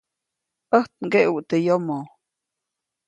ʼÄjt ŋgeʼuʼt teʼ yomoʼ.